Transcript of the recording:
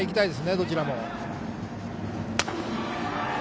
どちらも。